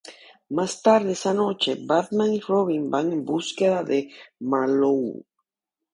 Más tarde esa noche, Batman y Robin van en búsqueda de Marlowe.